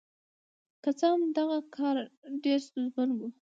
که څه هم دغه کار ډېر ستونزمن و.